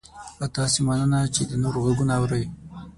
له تاسې مننه چې د نورو غږونه اورئ